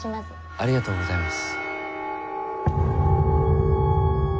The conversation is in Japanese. ありがとうございます。